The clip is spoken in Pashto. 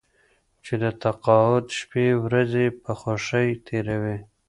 چې د تقاعد شپې ورځې په خوښۍ تېروي.